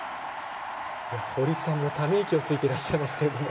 堀さんも、ため息をついていらっしゃいますけども。